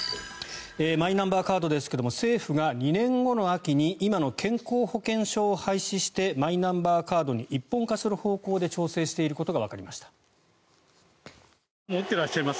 マイナンバーカードですが政府が２年後の秋に今の健康保険証を廃止してマイナンバーカードに一本化する方向で調整していることがわかりました。